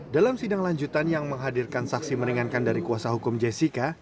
dalam sidang lanjutan yang menghadirkan saksi meringankan dari kuasa hukum jessica